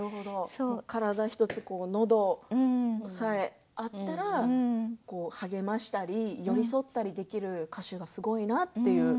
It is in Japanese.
体１つ、のどさえあったら励ましたり励ましたり寄り添ったりできる歌手はすごいなって。